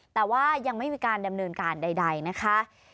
แต่ว่ายังไม่มีการดำเนินการใดนะคะ